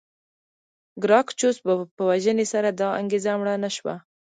ګراکچوس په وژنې سره دا انګېزه مړه نه شوه.